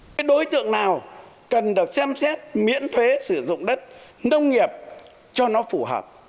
cái đối tượng nào cần được xem xét miễn thuế sử dụng đất nông nghiệp cho nó phù hợp